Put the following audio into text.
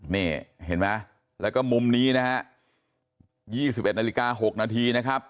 นี่เห็นไหมแล้วก็มุมนี้นะฮะ๒๑นาฬิกา๖นาทีนะครับ